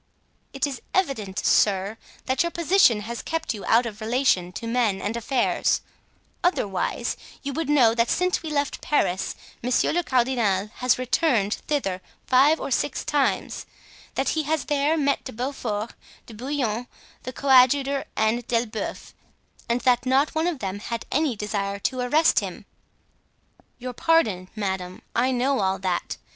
"It is evident, sir, that your position has kept you out of relation to men and affairs; otherwise you would know that since we left Paris monsieur le cardinal has returned thither five or six times; that he has there met De Beaufort, De Bouillon, the coadjutor and D'Elbeuf and that not one of them had any desire to arrest him." "Your pardon, madame, I know all that.